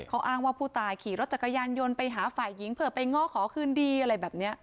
เขาอ้างว่าผู้ตายขี่รถจักรยานยนต์ไปหาฝ่ายหญิงเผื่อไปง้อขอคืนดีอะไรแบบนี้